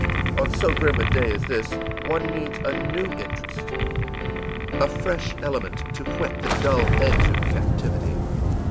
On so grim a day as this, one needs a new interest, a fresh element, to whet the dull edge of captivity.